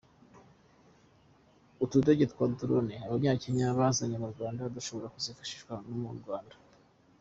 Utudege twa drone abanyakenya bazanye mu Rwanda dushobora kuzifashishwa no mu Rwanda.